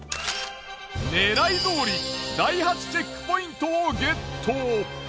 狙いどおり第８チェックポイントをゲット。